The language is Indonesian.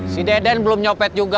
si deden belum nyopet juga